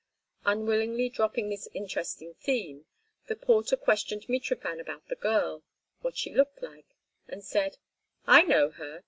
Unwillingly dropping this interesting theme, the porter questioned Mitrofan about the girl, what she looked like, and said: "I know her.